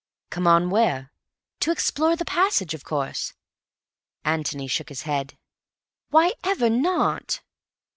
"Come on where?" "To explore the passage, of course." Antony shook his head. "Why ever not?"